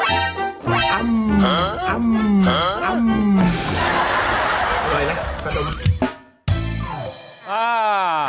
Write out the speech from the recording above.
อร่อยนะขนม